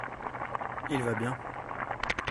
il va bien.